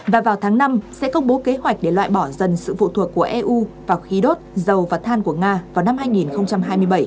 và vào tháng năm sẽ công bố kế hoạch để loại bỏ dần sự phụ thuộc của eu vào khí đốt dầu và than của nga vào năm hai nghìn hai mươi bảy